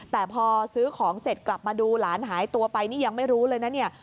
แต่พอซื้อของเสร็จกลับมาดูหลานหายตัวไปนี่ยังไม่รู้เลยนะเนี่ย